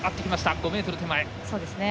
５ｍ手前。